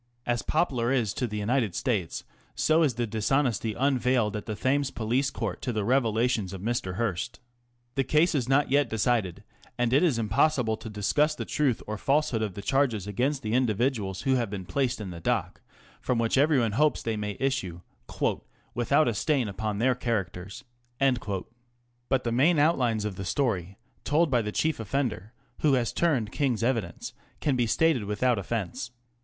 As Poplar is to the United States, so is the dishonesty unveiled at the Thames Police Court to the revelations of Mr. Hearst. The case is not yet decided, and it is impossible to discuss the truth or falsehood of the charges against the individuals who have been placed in the dock, from which everyone hopes they may issue " without a stain upon their characters." But the main outlines of the story, told by the chief offender, who has turned King's evidence, can be stated without offence.